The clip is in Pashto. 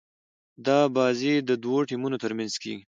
دا بازي د دوه ټيمونو تر منځ کیږي.